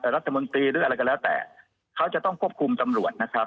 รัฐมนตรีหรืออะไรก็แล้วแต่เขาจะต้องควบคุมตำรวจนะครับ